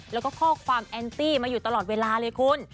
แล้วก็ข้อความแอนตี้มาอยู่ตลอดเวลาเลยคุณ